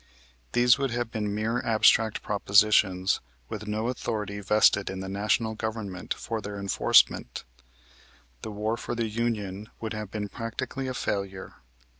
These would have been mere abstract propositions, with no authority vested in the National Government for their enforcement. The war for the Union would have been practically a failure.